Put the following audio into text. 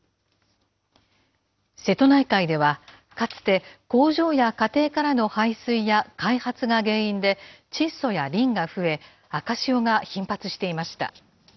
瀬戸内海では、かつて、工場や家庭からの排水や開発が原因で、窒素やリンが増え、赤潮が頻発していました。